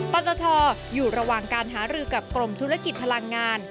ปตทอยู่ระหว่างการหารือกับกรมธุรกิจพลังงาน